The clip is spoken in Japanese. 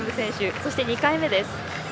そして２回目です。